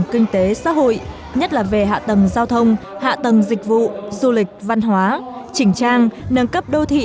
kinh tế xã hội nhất là về hạ tầng giao thông hạ tầng dịch vụ du lịch văn hóa chỉnh trang nâng cấp đô thị